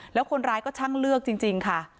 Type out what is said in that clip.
แล้วคนร้ายก็ช่างเลือกจริงค่ะ